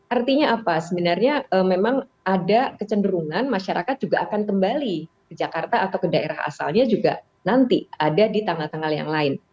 artinya apa sebenarnya memang ada kecenderungan masyarakat juga akan kembali ke jakarta atau ke daerah asalnya juga nanti ada di tanggal tanggal yang lain